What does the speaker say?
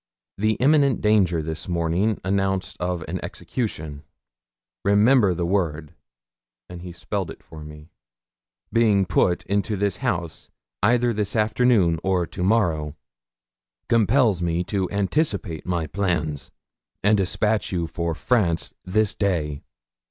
The immiment danger this morning announced of an execution remember the word,' and he spelled it for me 'being put into this house either this afternoon or to morrow, compels me to anticipate my plans, and despatch you for France this day.